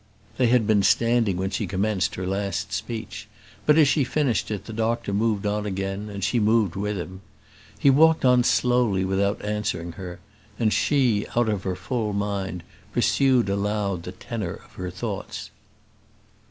They had been standing when she commenced her last speech; but as she finished it, the doctor moved on again, and she moved with him. He walked on slowly without answering her; and she, out of her full mind, pursued aloud the tenor of her thoughts.